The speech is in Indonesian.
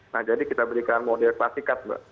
nah jadi kita berikan model plastikat